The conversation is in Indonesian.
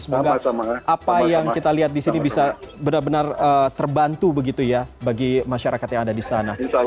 semoga apa yang kita lihat di sini bisa benar benar terbantu begitu ya bagi masyarakat yang ada di sana